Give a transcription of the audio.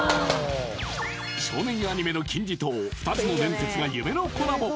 少年アニメの金字塔２つの伝説が夢のコラボ